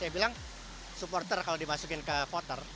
dia bilang supporter kalau dimasukin ke voter